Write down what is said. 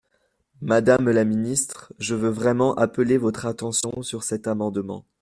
Madame la ministre, je veux vraiment appeler votre attention sur cet amendement.